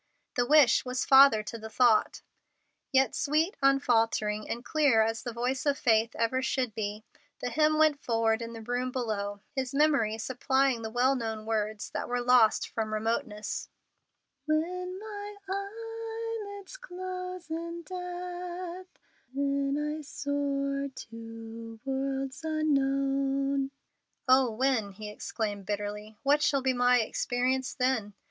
The wish was father to the thought. Yet sweet, unfaltering, and clear as the voice of faith ever should be, the hymn went forward in the room below, his memory supplying the well known words that were lost from remoteness: "When mine eyelids close in death, When I soar to worlds unknown." "Oh, when!" he exclaimed, bitterly. "What shall be my experience then?